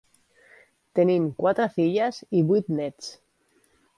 Tenien quatre filles i vuit néts.